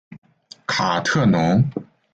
卡特农。